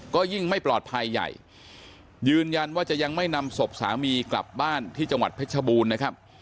ก็ยิ่งไม่ปลอดภัยใหญ่ยืนยันว่าจะยังไม่นำศพสามีกลับบ้านที่จังหวัดเพชรบูรณ์นะครับ